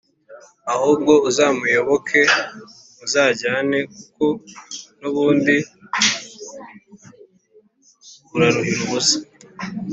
ahubwo uzamuyoboke muzajyane kuko nubundi uraruhira ubusa,